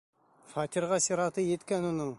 Фатирға сираты еткән уның!